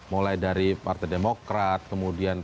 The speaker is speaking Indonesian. mulai dari partai demokrat kemudian